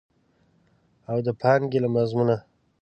او د پانګې له مضمونه.